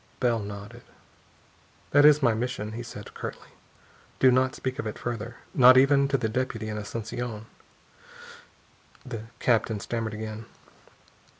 Bell nodded. "That is my mission," he said curtly. "Do not speak of it further not even to the deputy in Asunción." The captain stammered again.